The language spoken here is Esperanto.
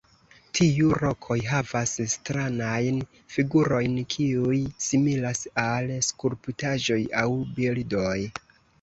Tiu rokoj havas stranajn figurojn kiuj similas al skulptaĵoj aŭ bildoj.